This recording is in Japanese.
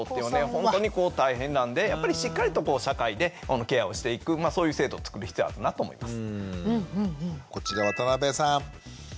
本当に大変なんでやっぱりしっかりと社会でケアをしていくそういう制度を作る必要はあるなと思います。